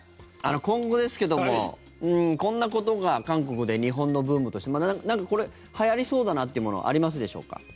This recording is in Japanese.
今後ですけどもこんなことが韓国で、日本のブームとしてなんか、これはやりそうだなというものありますでしょうか。